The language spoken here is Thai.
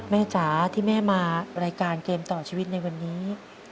จ๋าที่แม่มารายการเกมต่อชีวิตในวันนี้